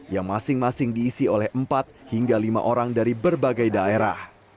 yang masing masing diisi oleh empat hingga lima orang dari berbagai daerah